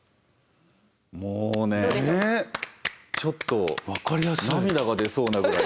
もうねちょっと涙が出そうなぐらいに。